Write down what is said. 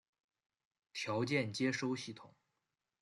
条件接收系统。